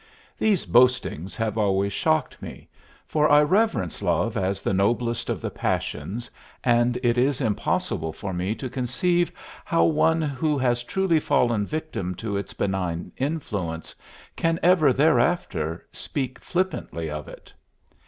These boastings have always shocked me, for I reverence love as the noblest of the passions, and it is impossible for me to conceive how one who has truly fallen victim to its benign influence can ever thereafter speak flippantly of it.